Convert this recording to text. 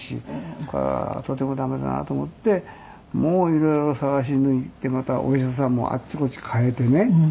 だからとても駄目だなと思ってもう色々探し抜いてまたお医者さんもあっちこっち変えてね。